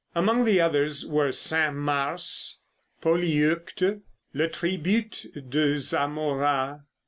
Among the others were "Cinq Mars," "Polyeucte," "Le Tribute de Zamora."